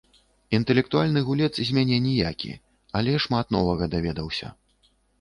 Інтэлектуальны гулец з мяне ніякі, але шмат новага даведаўся.